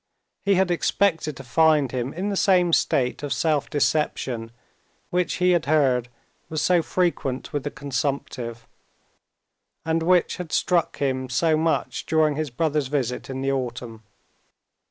He had expected to find him in the same state of self deception which he had heard was so frequent with the consumptive, and which had struck him so much during his brother's visit in the autumn.